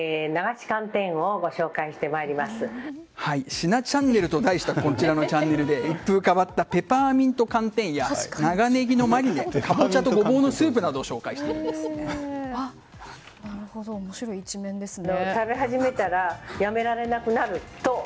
「しなチャンネル」と題したこちらのチャンネルで一風変わったペパーミント寒天や長ネギのマリネかぼちゃとごぼうのスープなどを面白い一面ですね。